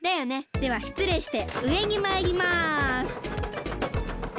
ではしつれいしてうえにまいります。